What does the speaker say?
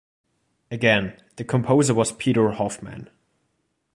Again, the composer was Peter Hoffmann.